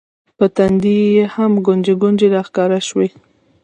په تندي هم ګونځې ګونځې راښکاره شوې